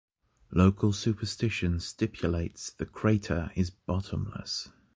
Local superstition stipulates the crater is bottomless.